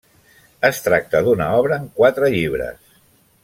Es tracta d'una obra en quatre llibres.